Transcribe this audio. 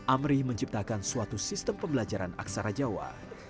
amri menciptakan suatu sistem pembelajaran aksara jawa